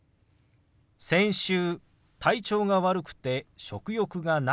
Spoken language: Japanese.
先週体調が悪くて食欲がなかったの。